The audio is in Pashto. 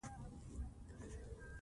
افغانستان د لعل کوربه دی.